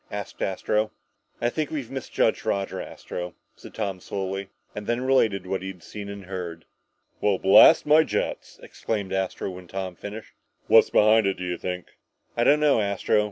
asked Astro. "I think we've misjudged Roger, Astro," said Tom slowly. And then related what he had seen and heard. "Well, blast my jets!" exclaimed Astro, when Tom had finished. "What's behind it, do you think?" "I don't know, Astro.